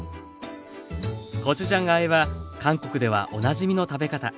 コチュジャンあえは韓国ではおなじみの食べ方。